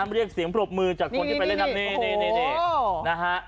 เรียกเสียงปรบมือจากคนที่ไปเล่นน้ำนี่นะฮะ